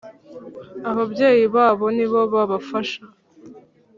Ababyeyi babo nibo babafasha.